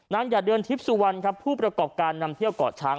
นางอย่าเดินทิศสู่วันครับผู้ประกอบการนำเที่ยวก่อช้าง